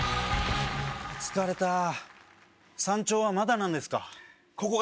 疲れた山頂はまだなんですか？